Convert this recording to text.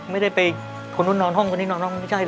ไม่ได้ไปคนนู้นนอนห้องคนนี้นอนห้องนี้ไม่ใช่เห